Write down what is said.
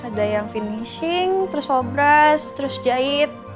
ada yang finishing terus hobras terus jahit